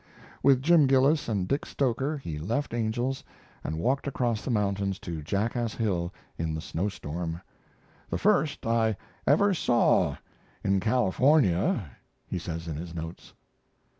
With Jim Gillis and Dick Stoker he left Angel's and walked across the mountains to Jackass Hill in the snow storm "the first I ever saw in California," he says in his notes.